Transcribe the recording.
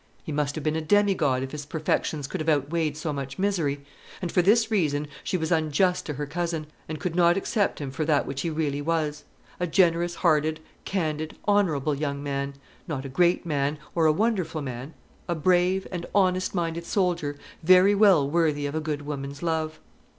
He must have been a demigod if his perfections could have outweighed so much misery; and for this reason she was unjust to her cousin, and could not accept him for that which he really was, a generous hearted, candid, honourable young man (not a great man or a wonderful man), a brave and honest minded soldier, very well worthy of a good woman's love.